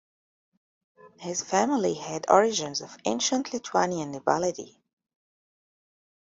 His family had origins of ancient Lithuanian nobility.